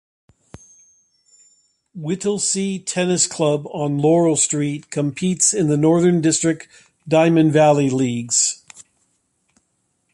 Whittlesea Tennis Club on Laural Street competes in the Northern district, Diamond Valley Leagues.